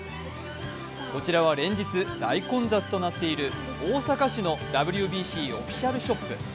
こちらは、連日大混雑となっている大阪市のＷＢＣオフィシャルショップ